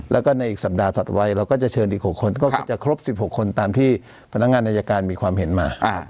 แล้วก็ในอีกสัปดาห์ถัดไว้เราก็จะเชิญอีก๖คนก็จะครบ๑๖คนตามที่พนักงานอายการมีความเห็นมา